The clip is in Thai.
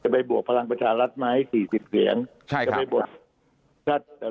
จะไปบวกพลังประชารัฐมาให้สี่สิบเหรียญใช่ครับจะไปบท